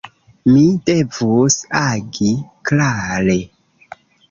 Mi devus agi klare.